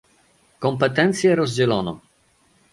Kompetencje rozdzielono